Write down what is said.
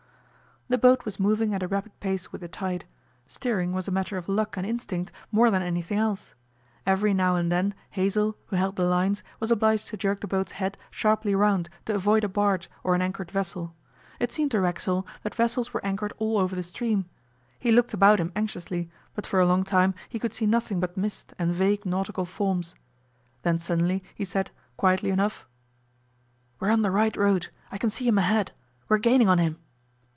The boat was moving at a rapid pace with the tide. Steering was a matter of luck and instinct more than anything else. Every now and then Hazell, who held the lines, was obliged to jerk the boat's head sharply round to avoid a barge or an anchored vessel. It seemed to Racksole that vessels were anchored all over the stream. He looked about him anxiously, but for a long time he could see nothing but mist and vague nautical forms. Then suddenly he said, quietly enough, 'We're on the right road; I can see him ahead. We're gaining on him.